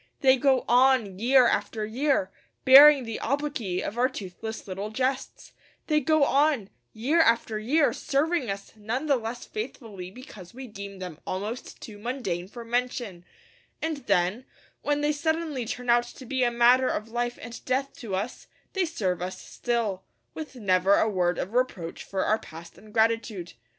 They go on, year after year, bearing the obloquy of our toothless little jests; they go on, year after year, serving us none the less faithfully because we deem them almost too mundane for mention; and then, when they suddenly turn out to be a matter of life and death to us, they serve us still, with never a word of reproach for our past ingratitude.